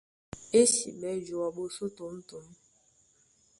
Ésiɓɛ́ joa ɓosó tǒmtǒm.